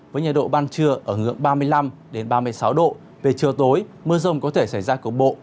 với nhiệt độ ban trưa ở ngưỡng ba mươi năm ba mươi sáu độ về chiều tối mưa rông có thể xảy ra cục bộ